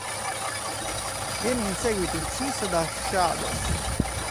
Viene in seguito uccisa da Shades.